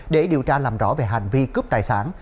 để điều tra làm rõ về hành vi cướp tài sản